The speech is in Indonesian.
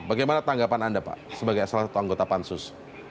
bagaimana tanggapan anda pak sebagai salah satu anggota pansus